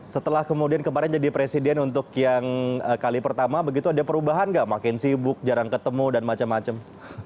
setelah kemudian kemarin jadi presiden untuk yang kali pertama begitu ada perubahan gak makin sibuk jarang ketemu dan macam macam